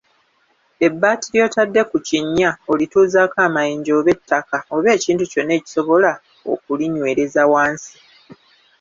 Ebbaati ly'otadde ku kinnya olituuzaako amayinja oba ettaka oba ekintu kyonna ekisobola okulinywereza wansi.